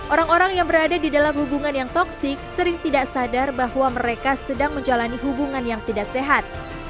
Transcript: orang orang yang berada di dalam hubungan yang toxic sering tidak sadar bahwa mereka sedang menjalani hubungan yang tidak sehat